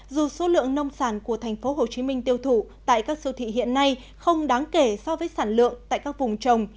dù số lượng nông sản của tp hcm tiêu thụ tại các siêu thị hiện nay không đáng kể so với sản lượng tại các vùng trồng